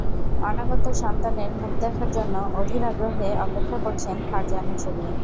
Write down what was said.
অনাগত সন্তানের মুখ দেখার জন্য অধীর আগ্রহে অপেক্ষা করছেন ফারজানা ছবি।